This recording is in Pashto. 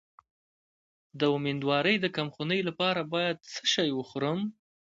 د امیدوارۍ د کمخونی لپاره باید څه شی وخورم؟